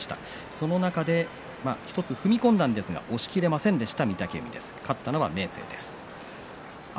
その中で１つ踏み込んだんですが押しきれませんでした。